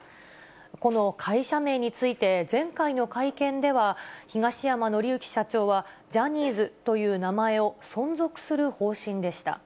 この会社名について、前回の会見では、東山紀之社長は、ジャニーズという名前を存続する方針でした。